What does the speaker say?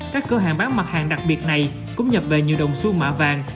các cửa hàng bán mặt hàng đặc biệt này cũng nhập về nhiều đồng xuô mạ vàng